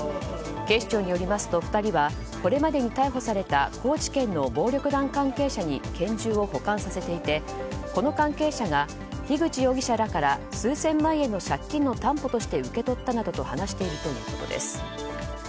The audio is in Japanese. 警視庁によりますと２人はこれまでに逮捕された高知県の暴力団関係者に拳銃を保管させていてこの関係者が樋口容疑者らから数千万円の借金の担保として受け取ったなどと話しているということです。